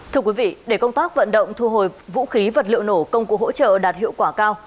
thưa quý vị để công tác vận động thu hồi vũ khí vật liệu nổ công cụ hỗ trợ đạt hiệu quả cao